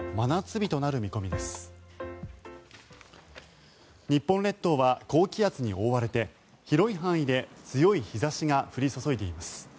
日本列島は高気圧に覆われて広い範囲で強い日差しが降り注いでいます。